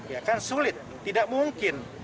ya kan sulit tidak mungkin